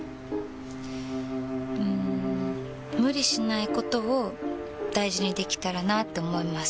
うん無理しないことを大事にできたらなって思います。